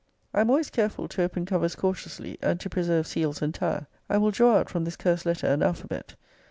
I am always careful to open covers cautiously, and to preserve seals entire. I will draw out from this cursed letter an alphabet.